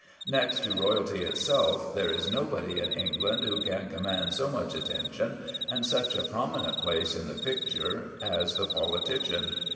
Next to royalty itself there is nobody in England who can command so much attention and such a prominent place in the picture as the politician.